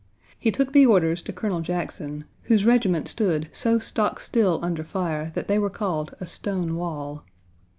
He took the orders to Colonel Jackson, whose regiment stood so stock still under file that they were called a "stone wall."